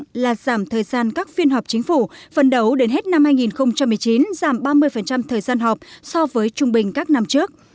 ev là giảm thời gian các phiên họp chính phủ phần đầu đến hết năm hai nghìn một mươi chín giảm ba mươi thời gian họp so với trung bình các năm trước